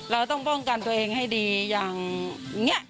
เราต้องป้องกันตัวเองให้ดีอย่างนี้